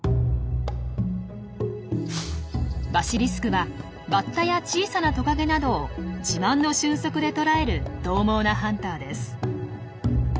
バシリスクはバッタや小さなトカゲなどを自慢の俊足で捕らえる獰猛なハンターです。